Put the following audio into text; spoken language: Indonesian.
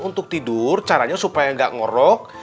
untuk tidur caranya supaya nggak ngorok